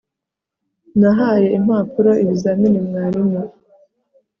nahaye impapuro ibizamini mwarimu